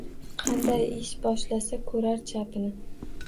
Qanday ish boshlasa ko’rar chapini.